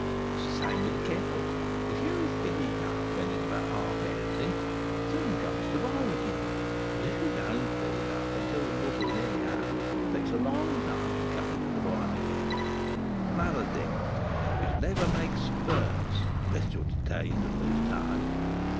It's the same with a kettle. If you fill it up when it's about half empty, it soon comes to the boil again; but if you don't fill it up until the water's nearly out, it's a long time in coming to the boil again. Another thing; you should never make spurts, unless you are detained and lose time.